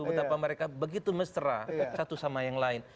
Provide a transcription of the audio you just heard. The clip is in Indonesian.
betapa mereka begitu mesra satu sama yang lain